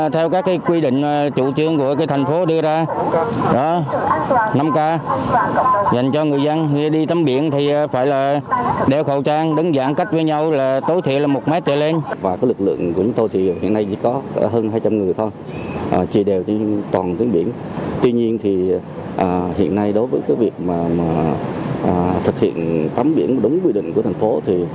tuy nhiên hiện nay đối với việc thực hiện tắm biển đúng quy định của thành phố